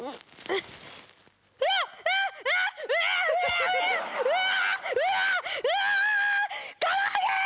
うわ！